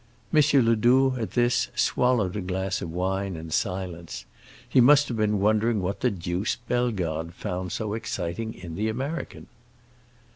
M. Ledoux, at this, swallowed a glass of wine in silence; he must have been wondering what the deuce Bellegarde found so exciting in the American.